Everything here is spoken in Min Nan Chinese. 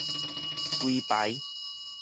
整排